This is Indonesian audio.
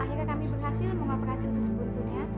akhirnya kami berhasil mengoperasi usus buntunya